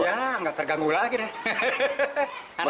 ya nggak terganggu lagi deh